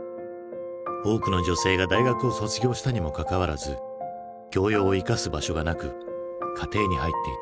多くの女性が大学を卒業したにもかかわらず教養を生かす場所がなく家庭に入っていた。